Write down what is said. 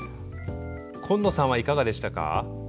紺野さんはいかがでしたか？